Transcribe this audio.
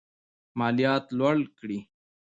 مالیات لوړ کړي.